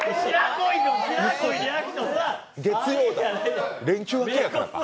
月曜だ、連休明けやからか。